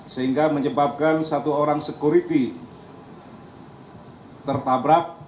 sehingga menyebabkan satu orang sekuriti tertabrak